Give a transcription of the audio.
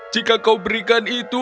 jika kau berikan itu